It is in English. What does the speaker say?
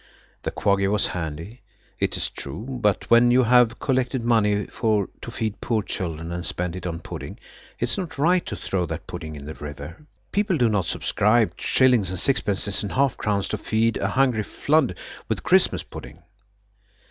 The Quaggy was handy, it is true, but when you have collected money to feed poor children and spent it on pudding it is not right to throw that pudding in the river. People do not subscribe shillings and sixpences and half crowns to feed a hungry flood with Christmas pudding.